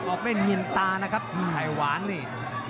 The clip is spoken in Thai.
ออกไปเงียนตานะครับไขว้นี่